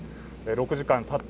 ６時間たった